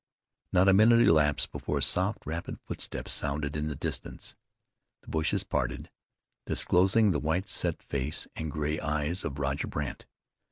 Not a minute elapsed before soft, rapid footsteps sounded in the distance. The bushes parted, disclosing the white, set face and gray eyes of Roger Brandt.